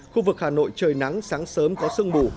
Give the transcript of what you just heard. khu vực hà nội trời nắng sáng sớm có sương mù